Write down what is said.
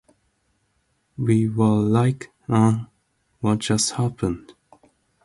We were like Uh, what just happened?